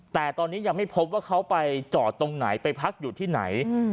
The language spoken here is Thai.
แต่ตอนนี้ยังไม่พบว่าเขาไปจอดตรงไหนไปพักอยู่ที่ไหน